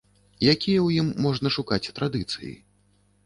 Якія ў ім можна шукаць традыцыі?